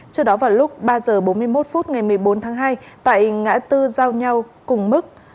trước đó vào lúc ba h bốn mươi một phút ngày một mươi bốn tháng hai tại ngã tư giao nhau cùng mức